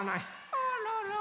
あらら。